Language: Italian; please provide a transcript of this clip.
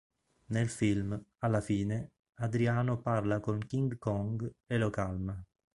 Nel film, alla fine, Adriano parla con King Kong e lo calma.